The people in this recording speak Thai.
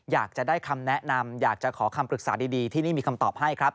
อยากจะได้คำแนะนำอยากจะขอคำปรึกษาดีที่นี่มีคำตอบให้ครับ